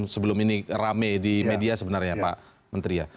sebelum ini rame di media sebenarnya pak menteri ya